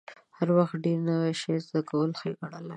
هر وخت ډیر نوی شی زده کول ښېګڼه لري.